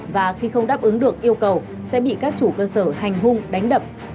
và khi không đáp ứng được yêu cầu sẽ bị các chủ cơ sở hành hung đánh đập